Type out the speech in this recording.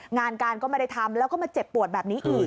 งานการก็ไม่ได้ทำแล้วก็มาเจ็บปวดแบบนี้อีก